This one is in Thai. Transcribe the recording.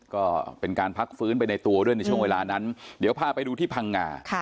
ก็เป็นการพักฟื้นไปในตัวด้วยในช่วงเวลานั้นเดี๋ยวพาไปดูที่พังงา